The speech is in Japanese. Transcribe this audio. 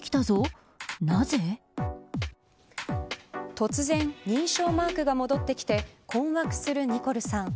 突然、認証マークが戻ってきて困惑するニコルさん。